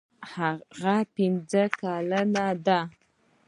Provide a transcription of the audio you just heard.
هغه پنځه کلنه ده.